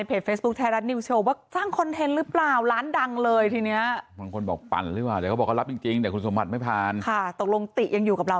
ยืนยันเนอะเรื่องจริงไม่ใช่เรื่องจริงไม่ใช่คอนเทนต์ครับผม